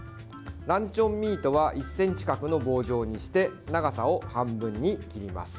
ランチョンミートは１ｃｍ角の棒状にして長さを半分に切ります。